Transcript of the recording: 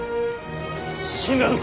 死んだのか！？